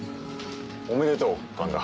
おめでとう神田。